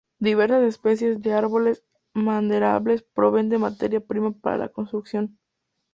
Diversas especies de árboles maderables proveen de materia prima para la construcción.